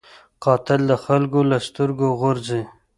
قاتل د خلکو له سترګو غورځي